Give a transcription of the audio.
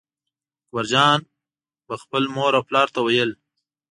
اکبرجان به خپل مور او پلار ته ویل.